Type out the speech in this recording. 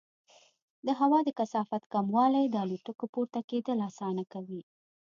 د هوا د کثافت کموالی د الوتکو پورته کېدل اسانه کوي.